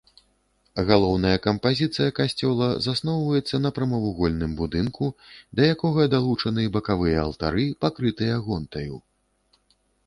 Галоўная кампазіцыя касцёла засноўваецца на прамавугольным будынку, да якога далучаны бакавыя алтары, пакрытыя гонтаю.